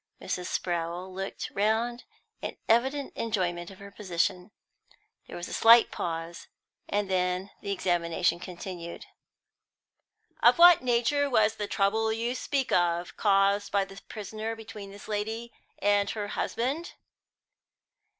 Mrs. Sprowl looked round in evident enjoyment of her position. There was a slight pause, and then the examination continued. "Of what nature was the trouble you speak of, caused by the prisoner between this lady and her husband?"